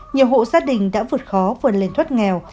nhiều hộ gia đình đã vượt khó vươn lên thoát nghèo